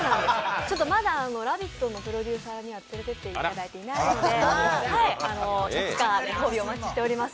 まだ「ラヴィット！」のプロデューサーには連れて行っていただいていないのでいつかご褒美、お待ちしております